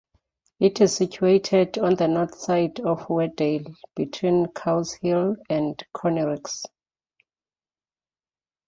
It is situated on the north side of Weardale, between Cowshill and Cornriggs.